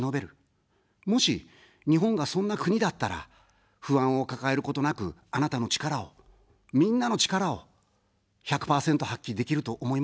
もし、日本がそんな国だったら、不安を抱えることなく、あなたの力を、みんなの力を１００％発揮できると思いませんか。